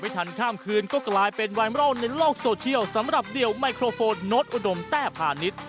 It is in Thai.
อ่ะติดตามเรื่องนี้จากรายงานกันหน่อยนะคะ